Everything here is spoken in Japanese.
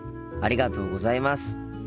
ありがとうございます。